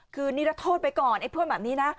คือนิรโทษไปก่อนไอ้เพื่อนแบบนี้นะ